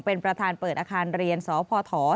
เป็นประธานเปิดอาคารเรียนสพ